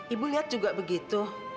ibu lihat juga begitu